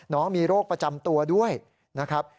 น้องมีโรคประจำตัวด้วยนะครับ